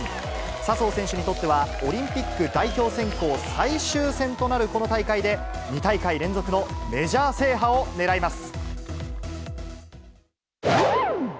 笹生選手にとっては、オリンピック代表選考最終戦となるこの大会で、２大会連続のメジャー制覇を狙います。